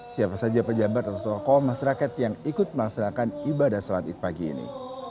siapa saja pejabat atau tokoh masyarakat yang ikut melaksanakan ibadah sholat id pagi ini